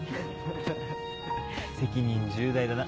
責任重大だな。